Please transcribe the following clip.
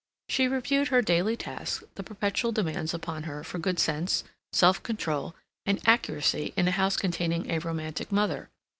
She reviewed her daily task, the perpetual demands upon her for good sense, self control, and accuracy in a house containing a romantic mother.